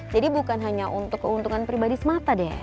jadi bukan hanya untuk keuntungan pribadi semata den